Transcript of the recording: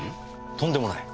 とんでもない。